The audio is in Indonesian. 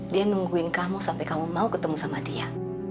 dia nungguin kamu sampai kamu mau ketemu sama dia